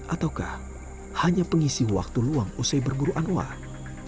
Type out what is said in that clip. ataukah hanya pengisi waktu luang usai berguruan uang